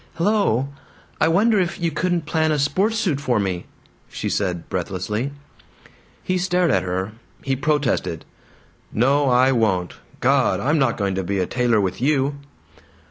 "Hello. I wonder if you couldn't plan a sports suit for me?" she said breathlessly. He stared at her; he protested, "No, I won't! God! I'm not going to be a tailor with you!"